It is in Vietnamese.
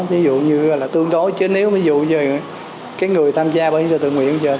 ví dụ như là tuyên đối chứ nếu ví dụ như cái người tham gia bảo hiểm xã hội tường nguyện